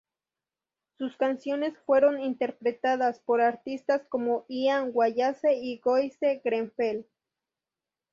Sus canciones fueron interpretadas por artistas como Ian Wallace y Joyce Grenfell.